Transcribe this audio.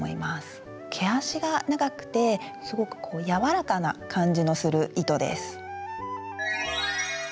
毛足が長くてすごく柔らかな感じのする糸です。